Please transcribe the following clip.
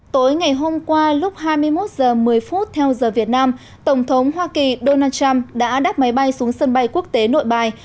tối ngày hôm qua lúc hai mươi một h một mươi theo giờ việt nam tổng thống hoa kỳ donald trump đã đáp máy bay xuống sân bay quốc tế nội bài